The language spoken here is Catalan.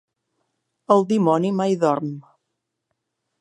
El dimoni mai dorm.